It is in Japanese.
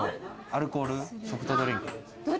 アルコール？ソフトドリンク？